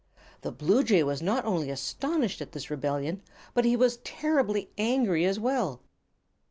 The bluejay was not only astonished at this rebellion but he was terribly angry as well.